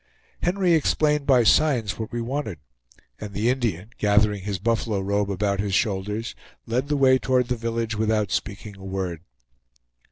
Henry explained by signs what we wanted, and the Indian, gathering his buffalo robe about his shoulders, led the way toward the village without speaking a word.